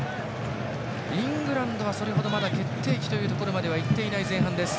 イングランドは、それほどまだ決定機というところまではいっていない前半です。